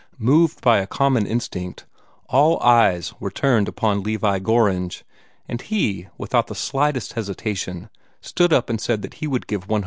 Moved by a common instinct, all eyes were turned upon Levi Gorringe, and he, without the slightest hesitation, stood up and said he would give $100.